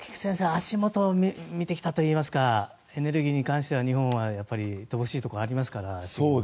足元を見てきたといいますかエネルギーに関しては日本は乏しいところがありますから。